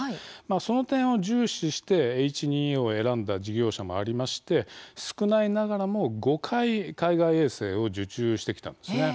その点を重視してＨ２Ａを選んだ事業者もありまして少ないながらも５回海外衛星を受注してきたんです。